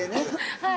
はい。